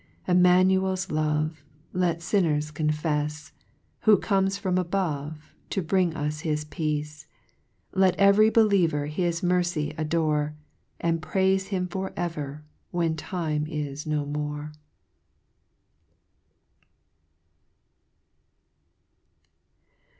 5 Immanucl's love Let finners confefs, Who comes from above, To bring us his peace ; Let every bciicver his His mercy adore, And praife him for ever, When time is no more.